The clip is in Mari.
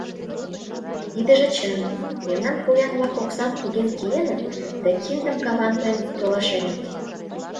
Тидыже чын, мемнан поян-влак оксам поген киеныт да киндым каванлен толашеныт.